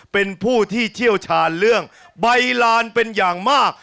เป็นผู้ที่เชี่ยวชาญเรื่องใบลานเป็นอย่างมาก